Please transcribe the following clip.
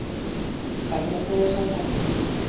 Hayato Sasaki